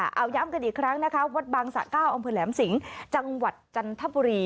เอาย้ำกันอีกครั้งนะคะวัดบางสะเก้าอำเภอแหลมสิงจังหวัดจันทบุรี